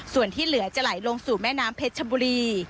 ส่วนที่เหลือจะไหลลงสู่แม่น้ำเพชรชบุรี